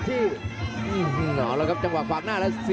โหโหโหโหโหโหโหโหโหโหโหโหโหโหโหโหโห